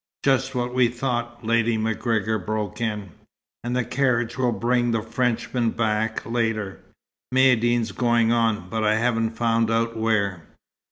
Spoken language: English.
"Just what we thought," Lady MacGregor broke in. "And the carriage will bring the Frenchman back, later. Maïeddine's going on. But I haven't found out where."